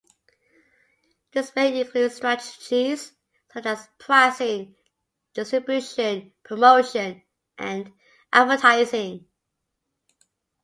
This may include strategies such as pricing, distribution, promotion, and advertising.